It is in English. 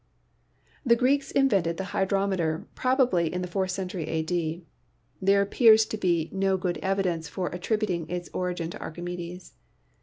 The Greeks invented the hydrometer, probably in the fourth century a.d. There appears to be no good evidence for attributing its origin to Archimedes.